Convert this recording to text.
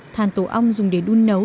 thàn tủ ong dùng để đun nấu